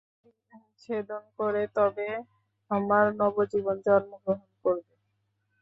নাড়ী ছেদন করে তবে আমার নবজীবন জন্মগ্রহণ করবে।